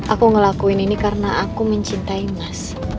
aku ngelakuin ini karena aku mencintai mas